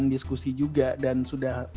ingin dimasukkan ke dalam sistem pendidikan juga ya